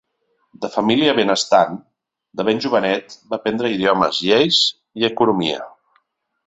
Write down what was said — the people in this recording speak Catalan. De família benestant, de ben jovenet va aprendre idiomes, lleis i economia.